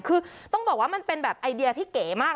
คือต้องบอกว่ามันเป็นแบบไอเดียที่เก๋มาก